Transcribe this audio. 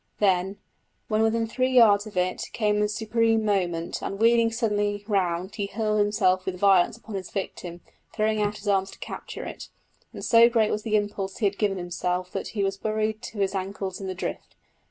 Then, when within three yards of it, came the supreme moment, and wheeling suddenly round he hurled himself with violence upon his victim, throwing out his arms to capture it, and so great was the impulse he had given himself that he was buried to the ankles in the drift.